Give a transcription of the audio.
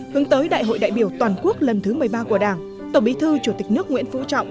hướng tới đại hội đại biểu toàn quốc lần thứ một mươi ba của đảng tổng bí thư chủ tịch nước nguyễn phú trọng